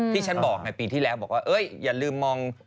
ที่ฉันบอกไงปีที่แล้วบอกว่าอย่าลืมมอง